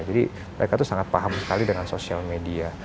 jadi mereka tuh sangat paham sekali dengan social media